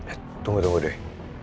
eh tunggu tunggu dey